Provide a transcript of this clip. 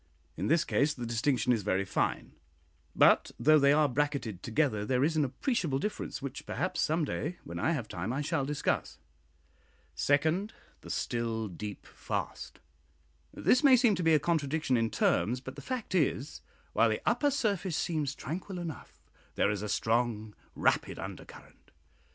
In this case the distinction is very fine; but though they are bracketed together, there is an appreciable difference, which perhaps, some day when I have time, I shall discuss. Second, "The still deep fast." This may seem to be a contradiction in terms; but the fact is, while the upper surface seems tranquil enough, there is a strong rapid undercurrent.